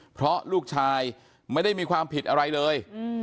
เพราะลูกชายไม่ได้มีความผิดอะไรเลย